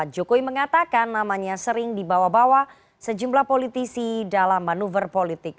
jokowi mengatakan namanya sering dibawa bawa sejumlah politisi dalam manuver politik